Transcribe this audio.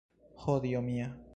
Ho dio mia!